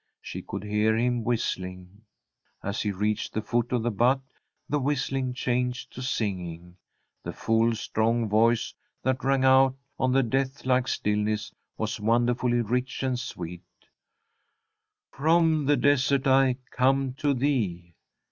She could hear him whistling. As he reached the foot of the butte the whistling changed to singing. The full, strong voice that rang out on the deathlike stillness was wonderfully rich and sweet: "From the desert I come to thee!"